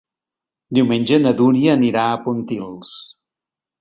Diumenge na Dúnia anirà a Pontils.